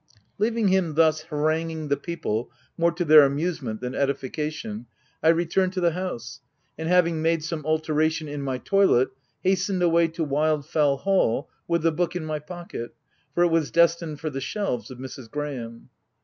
Leaving him thus haranguing the people, more to their amusement than edification, I returned to the house, and having made som OF WILDFELL HALL. 141 alteration in my toilet, hastened away to Wild fell Hall, with the book in my pocket ; for it was destined for the shelves of Mrs. Graham.